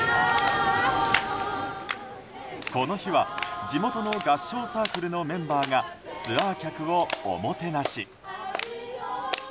この日は地元の合唱サークルのメンバーがツアー客をおもてなし。